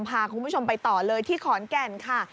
พาคุณผู้ชมไปต่อเลยที่ขอนแก่นค่ะ